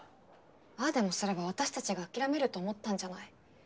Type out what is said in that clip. ああでもすれば私たちが諦めると思ったんじゃない？